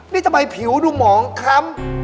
นี่ทำไมผิวดูหมองคล้ำ